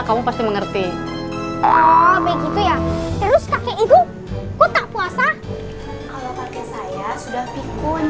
kamu pasti mengerti oh begitu ya terus kakek ibu tak puasa kalau pakai saya sudah pikun